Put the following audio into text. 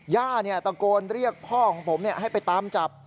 ย่าตะโกนเรียกพ่อของผมให้ไปตามจับ